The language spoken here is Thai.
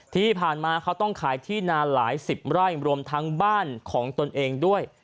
ที่ผ่านมาเขาต้องขายที่นานหลายสิบไร่รวมทั้งบ้านของตนเองด้วย